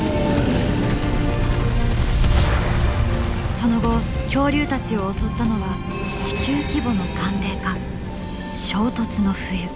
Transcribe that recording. その後恐竜たちを襲ったのは地球規模の寒冷化。